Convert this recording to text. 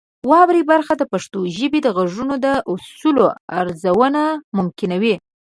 واورئ برخه د پښتو ژبې د غږونو د اصولو ارزونه ممکنوي.